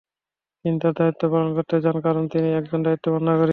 তিনি তাঁর দায়িত্ব পালন করে যান, কারণ তিনি একজন দায়িত্ববান নাগরিক।